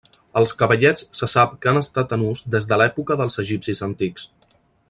Els cavallets se sap que han estat en ús des de l'època dels egipcis antics.